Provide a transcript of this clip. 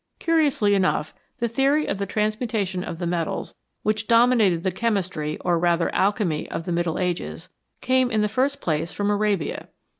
Curiously enough, the theory of the transmutation of the metals, which dominated the chemistry, or rather alchemy, of the Middle Ages, came in the first place from Arabia.